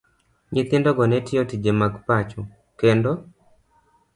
Nyithindogo ne tiyo tije mag pacho, kendo